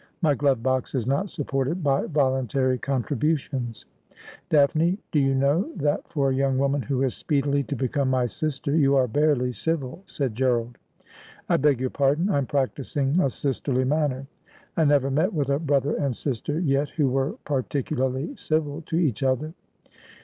'My glove box is not supported by voluntary contributions.' 112 Asphodel. 'Daphne, do you know that for a young woman who is speedily to become my sister you are barely civil ?' said Gerald. ' I beg your pardon, I am practising a sisterly manner. I never met with a brother and sister yet who were particularly civil to each other.'